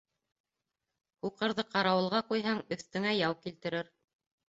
Һуҡырҙы ҡарауылға ҡуйһаң, өҫтөңә яу килтерер